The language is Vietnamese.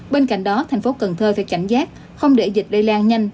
bên cạnh đó thành phố cần thơ phải cảnh giác không để dịch lây lan nhanh